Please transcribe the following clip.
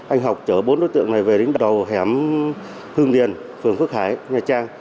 anh học chở bốn đối tượng này về đến đầu hẻm hương điền phường phước hải nha trang